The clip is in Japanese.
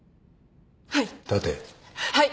はい。